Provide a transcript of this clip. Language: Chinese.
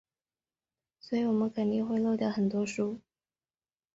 所以我们肯定会漏掉很多书。